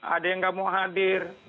ada yang nggak mau hadir